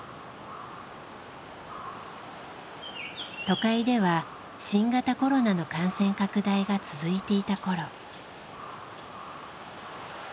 都会では新型コロナの感染拡大が続いていた頃。